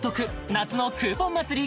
夏のクーポン祭り